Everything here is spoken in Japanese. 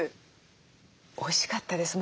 おいしかったです。